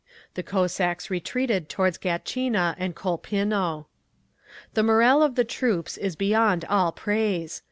The Cossacks retreated towards Gatchina and Colpinno. The morale of the troops is beyond all praise.